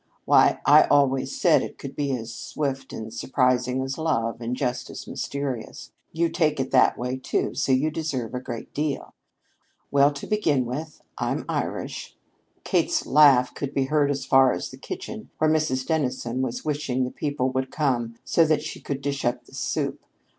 Why, I always said it could be as swift and surprising as love, and just as mysterious. You take it that way, too, so you deserve a great deal. Well, to begin with, I'm Irish." Kate's laugh could be heard as far as the kitchen, where Mrs. Dennison was wishing the people would come so that she could dish up the soup.